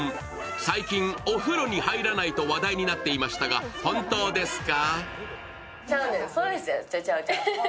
最近お風呂に入らないと話題になっていましたが、本当ですか？